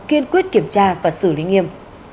kiên quyết kiểm tra và xử lý nghiêm